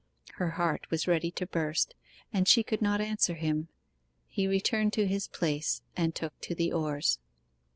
Her heart was ready to burst, and she could not answer him. He returned to his place and took to the oars.